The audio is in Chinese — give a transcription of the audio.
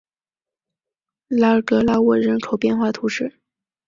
拉格拉沃人口变化图示